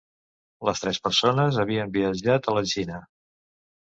Les tres persones havien viatjat a la Xina.